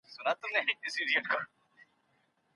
حقيقت ولي تريخ دی ته پوهېږې ؟